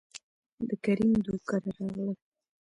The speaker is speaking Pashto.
دکريم دو کره راغلل،